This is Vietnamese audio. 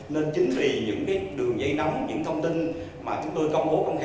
nên chính vì những đường dây nóng những thông tin mà chúng tôi công bố